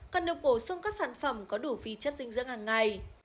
cần được bổ sung các sản phẩm có đủ vi chất dinh dưỡng hàng ngày